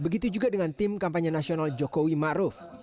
begitu juga dengan tim kampanye nasional jokowi maruf